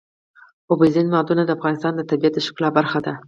اوبزین معدنونه د افغانستان د طبیعت د ښکلا برخه ده.